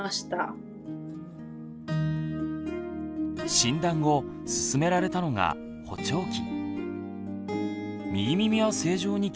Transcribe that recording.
診断後勧められたのが補聴器。